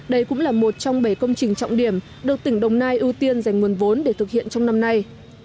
đây cũng là một trong bảy công trình trọng điểm được tỉnh đồng nai ưu tiên dành nguồn vốn để thực hiện trong năm nay